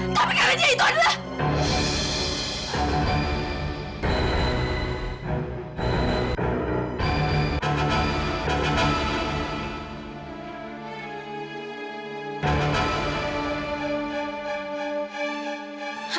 tapi karena dia itu adalah